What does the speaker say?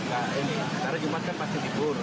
karena jumat kan pasti tidur